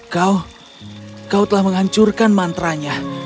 kau kau telah menghancurkan mantra nya